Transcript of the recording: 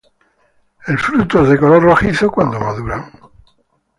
El fruto es de color rojizo cuando maduran.